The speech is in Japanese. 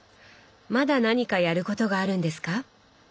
まだ何かやることがあるんですか？